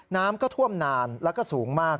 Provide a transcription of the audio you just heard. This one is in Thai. น้ำก็ท่วมนานแล้วก็สูงมาก